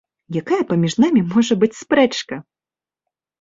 Якая паміж намі можа быць спрэчка?